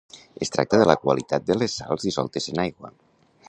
Es tracta de la qualitat de les sals dissoltes en aigua.